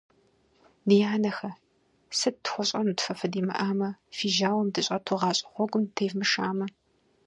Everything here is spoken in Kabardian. Ди анэхэ, сыт тхуэщӀэнут фэ фыдимыӀамэ, фи жьауэм дыщӀэту гъащӀэ гъуэгум дытевмышамэ?